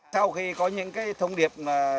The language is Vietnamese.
sau khi có những thông điệp